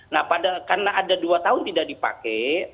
nah karena ada dua tahun tidak dipakai